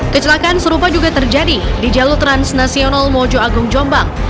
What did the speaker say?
kecelakaan serupa juga terjadi di jalur transnasional mojo agung jombang